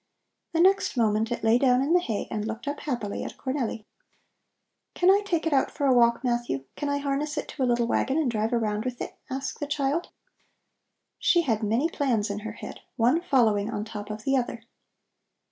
The next moment it lay down in the hay and looked up happily at Cornelli. "Can I take it out for a walk, Matthew? Can I harness it to a little wagon and drive around with it?" asked the child. She had many plans in her head, one following on top of the other.